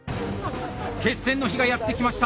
決戦の日がやって来ました。